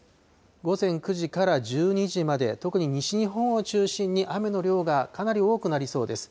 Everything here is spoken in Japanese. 午前９時から１２時まで、特に西日本を中心に雨の量がかなり多くなりそうです。